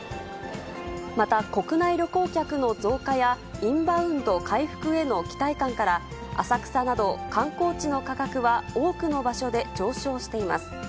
また国内旅行客の増加や、インバウンド回復への期待感から、浅草など観光地の価格は、多くの場所で上昇しています。